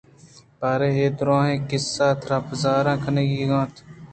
باریں اے درٛاجیں قصّہ ترا بیزار کنگ ءَ اَنت